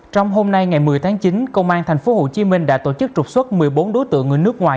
trong hôm nay ngày một mươi tháng chín công an tp hcm đã tổ chức trục xuất một mươi bốn đối tượng người nước ngoài